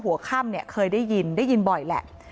หัวค่ำเนี่ยเคยได้ยินได้ยินบ่อยแหละ